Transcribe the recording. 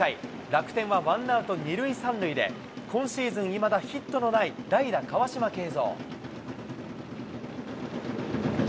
楽天はワンアウト２塁３塁で、今シーズンいまだヒットのない代打、川島慶三。